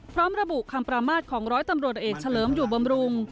พร้อมระบุคำประมาทของร้อยตำรวจเอกเฉลิมอยู่บำรุง